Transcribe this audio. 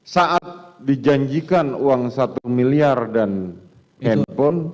saat dijanjikan uang satu miliar dan handphone